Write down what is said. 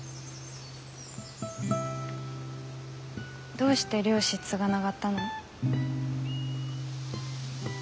どうして漁師継がながったの？